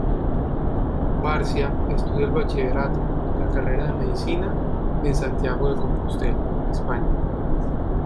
Barcia estudia el Bachillerato y la carrera de Medicina en Santiago de Compostela, España.